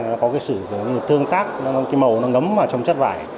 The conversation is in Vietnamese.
nó có cái sự tương tác cái màu nó ngấm vào trong chất vải